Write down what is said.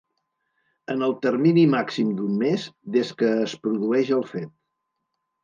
En el termini màxim d'un mes des que es produeix el fet.